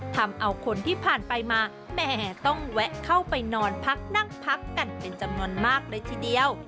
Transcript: ทำเอาคนที่ผ่านไปมาแหมต้องแวะเข้าไปนอนพักนั่งพักกันเป็นจำนวนมากเลยทีเดียว